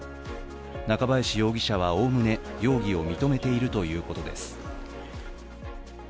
中林容疑者は、おおむね容疑を認めているということです。